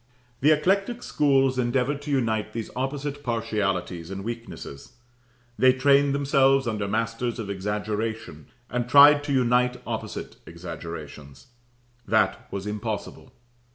The eclectic schools endeavoured to unite these opposite partialities and weaknesses. They trained themselves under masters of exaggeration, and tried to unite opposite exaggerations. That was impossible.